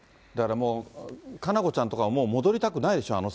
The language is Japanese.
だからもう佳菜子ちゃんとかはもう戻りたくないでしょ？